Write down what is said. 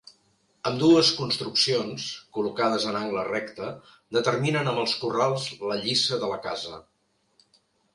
Ambdues construccions, col·locades en angle recte, determinen amb els corrals la lliça de la casa.